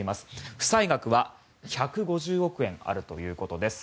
負債額は１５０億円あるということです。